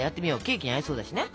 ケーキに合いそうだしね。